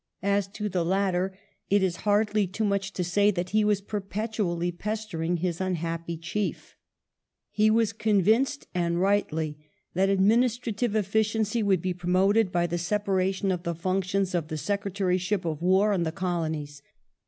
As to the latter it is hardly too much to say that he was pei*petually pestering his unhappy chiefs He was convinced, and rightly, that administra tive efficiency would be promoted by the separation of the functions of the Secretaryship of War and the Colonies.